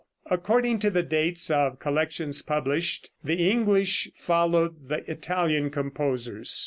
According to the dates of collections published, the English followed the Italian composers.